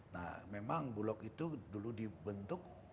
nah memang bulog itu dulu dibentuk